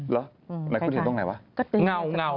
เหรอคุณเห็นตรงไหนวะ